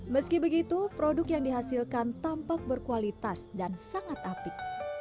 meski begitu produk yang dihasilkan tampak berkualitas dan sangat apik